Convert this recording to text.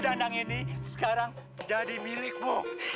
dandang ini sekarang jadi milikmu